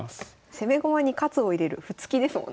「攻め駒に活を入れる歩突き」ですもんね。